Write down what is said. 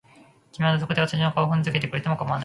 君は土足で私の顔を踏んづけてくれても構わない。